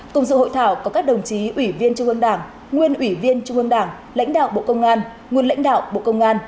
cùng sự hội thảo có các đồng chí ủy viên trung ương đảng nguyên ủy viên trung ương đảng lãnh đạo bộ công an nguyên lãnh đạo bộ công an